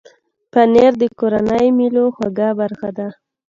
پنېر د کورنۍ مېلو خوږه برخه ده.